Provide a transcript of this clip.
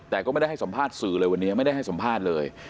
แต่ก็ไม่ได้ให้สัมภาษณ์สื่อเลยวันนี้ไม่ได้ให้สัมภาษณ์เลย